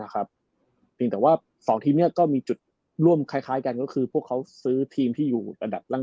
เพียงแต่ว่า๒ทีมนี้ก็มีจุดร่วมคล้ายกันก็คือพวกเขาซื้อทีมที่อยู่ระดับล่าง